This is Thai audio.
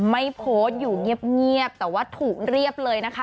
ไม่โพสต์อยู่เงียบแต่ว่าถูกเรียบเลยนะคะ